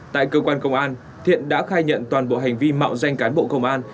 tại cơ quan công an thiện đã khai nhận toàn bộ hành vi mạo danh cán bộ công an